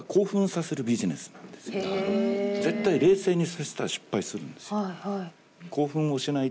絶対冷静にさせたら失敗するんですよ。